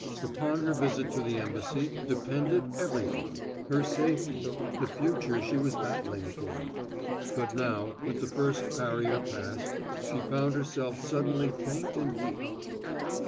Upon her visit to the embassy depended everything: her safety, the future she was battling for. But now, with the first barrier passed, she found herself suddenly faint and weak.